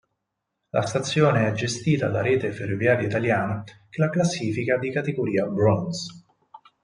La stazione è gestita da Rete Ferroviaria Italiana, che la classifica di categoria "bronze".